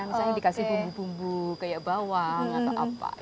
misalnya dikasih bumbu bumbu kayak bawang atau apa